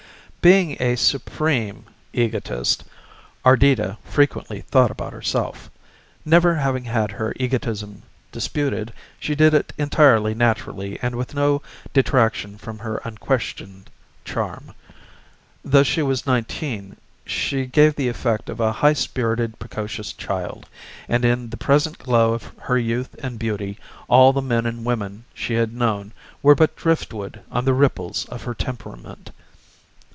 Being a supreme egotist Ardita frequently thought about herself; never having had her egotism disputed she did it entirely naturally and with no detraction from her unquestioned charm. Though she was nineteen she gave the effect of a high spirited precocious child, and in the present glow of her youth and beauty all the men and women she had known were but driftwood on the ripples of her temperament.